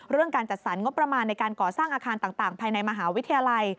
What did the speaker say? การจัดสรรงบประมาณในการก่อสร้างอาคารต่างภายในมหาวิทยาลัย